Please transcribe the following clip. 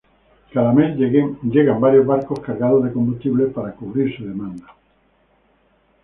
Cada mes lleguen varios barcos cargados de combustible para cubrir su demanda.